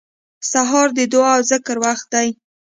سهار د دعا او ذکر وخت دی.